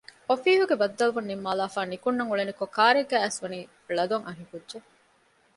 އޮފީހުގެ ބައްދަލުވުން ނިންމާލާފައި ނިކުންނަން އުޅެނިކޮން ކާރެއްގައި އައިސް ވަނީ ޅަދޮން އަންހެންކުއްޖެއް